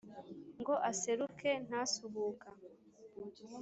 ngo aseruke ntasuhuka.